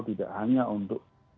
tidak hanya untuk